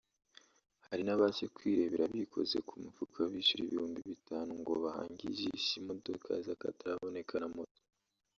Hari n’abaje kwirebera bikoze ku mufuka bishyura ibihumbi bitanu ngo bahange ijisho imodoka z’akataraboneka na moto